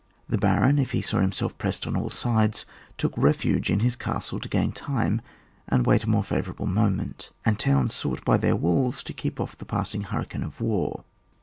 The baron, if he saw himself pressed oh aU sides, took refuge in his castle to gain time and wait a more favourable moment; and towns sought by their walls to keep off the passing hurricane of war.